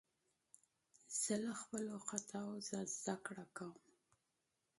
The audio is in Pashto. زه له خپلو خطاوو څخه زدکړه کوم.